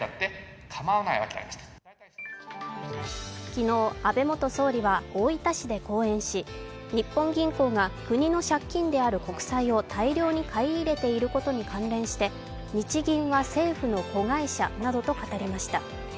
昨日、安倍元総理は大分市で講演し、日本銀行が国の借金である国債を大量に買い入れていることに関連して日銀は政府の子会社などと語りました。